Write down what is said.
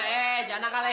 eh jangan nakal eh